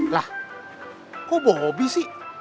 lah kok bobby sih